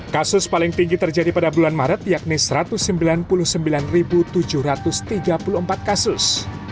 kasus paling tinggi terjadi pada bulan maret yakni satu ratus sembilan puluh sembilan tujuh ratus tiga puluh empat kasus